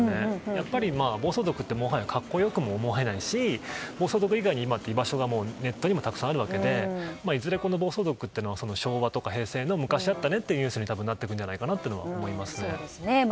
やっぱり暴走族ってもはや格好良くも思えないし暴走族以外に居場所がネットにもたくさんあるわけでいずれ、暴走族というのは昭和とか平成の昔あったねというニュースになっていくだろうと思います。